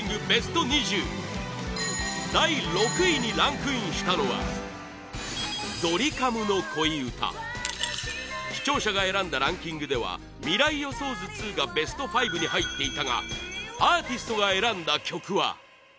ベスト２０第６位にランクインしたのはドリカムの恋うた視聴者が選んだランキングでは「未来予想図２」がベスト５に入っていたがアーティストが選んだ曲は？